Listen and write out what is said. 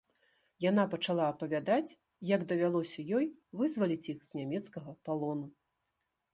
Яна пачала апавядаць, як давялося ёй вызваліць іх з нямецкага палону.